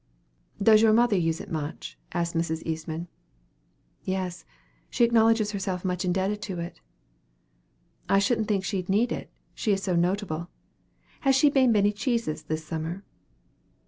"Does your mother use it much?" asked Mrs. Eastman. "Yes; she acknowledges herself much indebted to it." "I shouldn't think she'd need it; she is so notable. Has she made many cheeses this summer?"